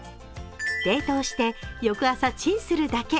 冷凍して翌朝チンするだけ。